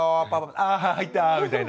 あ入ったあみたいな。